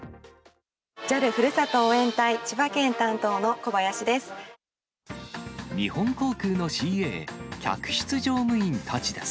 ＪＡＬふるさと応援隊、千葉県担当の小林です。